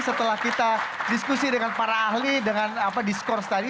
setelah kita diskusi dengan para ahli dengan diskurs tadi